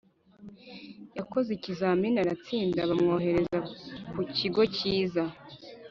yakoze ikizamini aratsinda bamwohereza ku kigo kiza